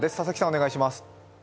お願いします。